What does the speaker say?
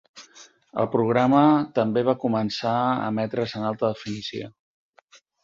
El programa també va començar a emetre's en alta definició.